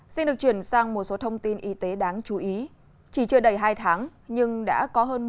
xin được chuyển sang một số thông tin y tế đáng chú ý chỉ chưa đầy hai tháng nhưng đã có hơn